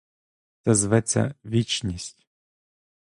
Це зветься — вічність.